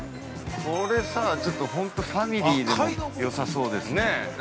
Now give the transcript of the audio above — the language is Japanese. ◆これさ、本当、ファミリーでもよさそうですね。